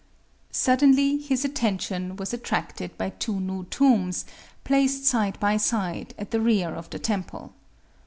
Suddenly his attention was attracted by two new tombs, placed side by side, at the rear of the temple.